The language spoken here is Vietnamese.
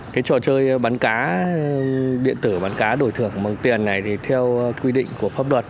cái trò chơi bắn cá điện tử bắn cá đổi thưởng bằng tiền này thì theo quy định của pháp luật